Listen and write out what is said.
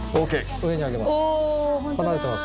上に上げます。